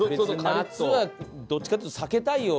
夏はどっちかっていうと避けたいよ